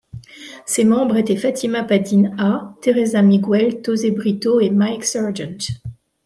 Ses membres étaient Fatima Padinha, Teresa Miguel, Tozé Brito et Mike Sergeant.